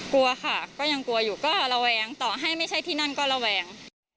กลัวค่ะก็ยังกลัวอยู่ก็ระแวงต่อให้ไม่ใช่ที่นั่นก็ระแวง